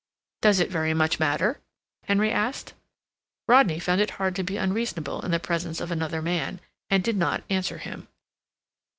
"Does it very much matter?" Henry asked. Rodney found it hard to be unreasonable in the presence of another man, and did not answer him.